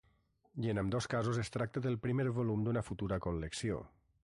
I en ambdós casos es tracta del primer volum d’una futura col·lecció.